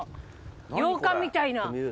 洋館みたいな。